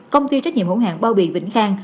công ty trách nhiệm hữu hạng bao bì vĩnh khang